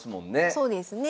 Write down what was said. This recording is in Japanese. そうですね。